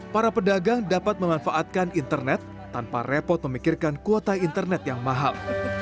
para pedagang dapat memanfaatkan internet tanpa repot memikirkan kuota internet yang mahal